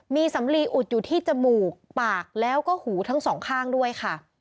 มีสำลีอุดอยู่ที่จมูกปากแล้วก็หูทั้งสองข้างด้วยค่ะ